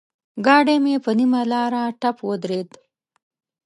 ګاډی مې پر نيمه لاره ټپ ودرېد.